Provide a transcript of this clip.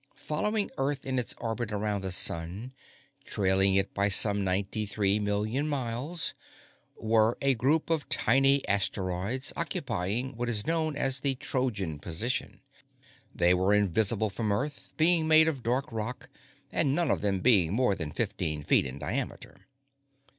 Following Earth in its orbit around the sun, trailing it by some ninety three million miles, were a group of tiny asteroids, occupying what is known as the Trojan position. They were invisible from Earth, being made of dark rock and none of them being more than fifteen feet in diameter.